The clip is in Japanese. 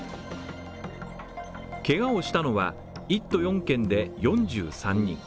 怪我をしたのは、１都４県で４３人。